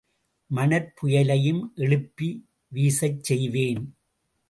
மணற்புயலையும் எழுப்பி வீசச் செய்வேன்!